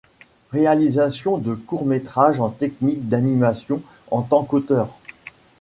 Réalisation de courts-métrages en technique d'animation en tant qu'auteur.